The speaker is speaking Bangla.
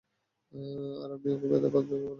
আর আমি ওকে ব্যথা পেতে দেব না।